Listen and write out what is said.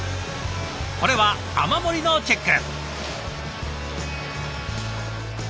これは雨漏りのチェック。